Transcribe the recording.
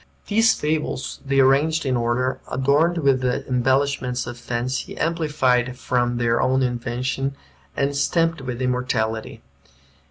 These fables they arranged in order, adorned with the embellishments of fancy, amplified from their own invention, and stamped with immortality.